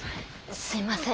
すいません。